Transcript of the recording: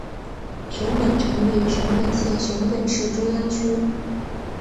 熊本城位于日本熊本县熊本市中央区。